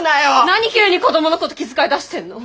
何急に子どものこと気遣いだしてんの？